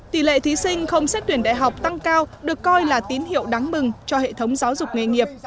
tỷ lệ thí sinh không xét tuyển đại học tăng cao được coi là tín hiệu đáng mừng cho hệ thống giáo dục nghề nghiệp